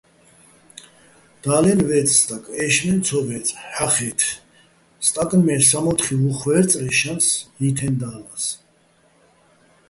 და́ლენ ვე́წე̆ სტაკ, ე́შშმენ ცო ვე́წე̆, ჰ̦ახე́თე̆, სტაკნ მე სამო́თხი ვუხვე́რწრეჼ შანს ჲითეჼ და́ლას.